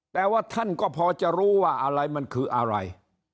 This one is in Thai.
แต่ว่าท่านก็พอจะรู้ว่าอะไรมันคืออะไร